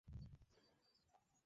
হ্যাঁ, আমি বুঝতে পারছি।